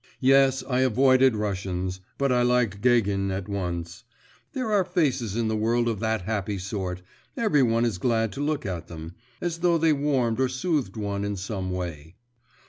Yes, I avoided Russians; but I liked Gagin at once. There are faces in the world of that happy sort; every one is glad to look at them, as though they warmed or soothed one in some way.